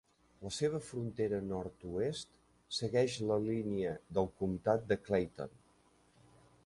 La seva frontera nord-oest segueix la línia del comtat de Clayton.